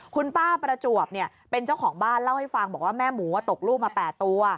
คุณป้าประจวบเป็นเจ้าของบ้านเล่าให้ฟังบอกว่าแม่หมูตกลูกมา๘ตัว